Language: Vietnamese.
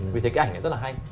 vì thế cái ảnh này rất là hay